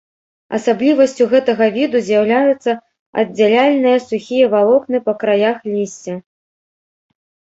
Асаблівасцю гэтага віду з'яўляюцца аддзяляльныя сухія валокны па краях лісця.